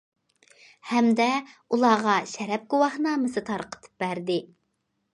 ھەمدە ئۇلارغا شەرەپ گۇۋاھنامىسى تارقىتىپ بەردى.